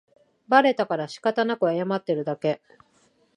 バレたからしかたなく謝ってるだけ